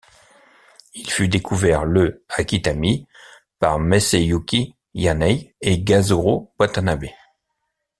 Il fut découvert le à Kitami par Masayuki Yanai et Kazuro Watanabe.